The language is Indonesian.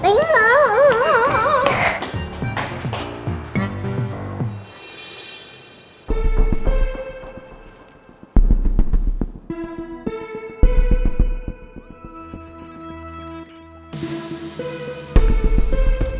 aduh manis banget